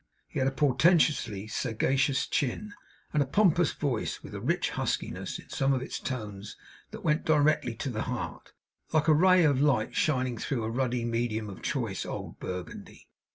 He had a portentously sagacious chin, and a pompous voice, with a rich huskiness in some of its tones that went directly to the heart, like a ray of light shining through the ruddy medium of choice old burgundy.